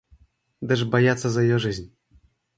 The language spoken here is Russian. Даже боятся за ее жизнь.